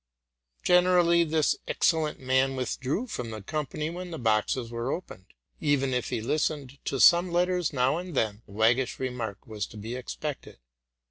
Generally this excellent man withdrew from the com pany when the boxes were opened. Even if he did listen to some letters now and then, a waggish remark was to be ex pected.